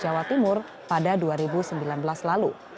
jawa timur pada dua ribu sembilan belas lalu